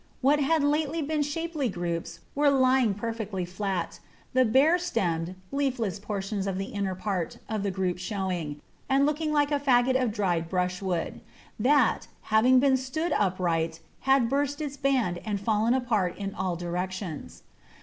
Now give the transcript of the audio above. What had lately been shapely groups were lying perfectly flat, the bare stemmed, leafless portions of the inner part of the group showing, and looking like a faggot of dry brushwood, that, having been stood upright, had burst its band and fallen apart in all directions.